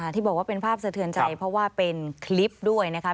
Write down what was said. ที่บอกว่าเป็นภาพสะเทือนใจเพราะว่าเป็นคลิปด้วยนะคะ